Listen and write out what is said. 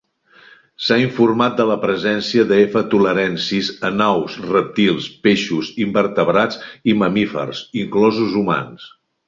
S'ha informat de la presència de "F. tularensis" en aus, rèptils, peixos, invertebrats i mamífers, inclosos humans.